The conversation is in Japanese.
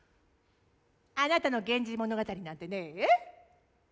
あなたの「源氏物語」なんてね。